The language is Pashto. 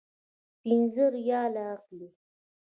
پنځه ریاله اخلي.